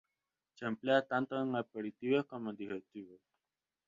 Se emplea tanto en aperitivos como en digestivos.